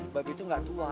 babi tuh gak tua